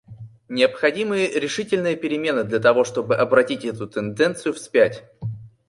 Необходимы решительные перемены, для того чтобы обратить эту тенденцию вспять.